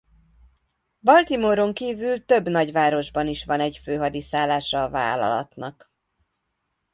Baltimore-on kívül több nagyvárosban is van egy főhadiszállása a vállalatnak.